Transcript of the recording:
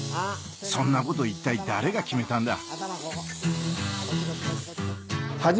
そんなこと一体誰が決めたんだ？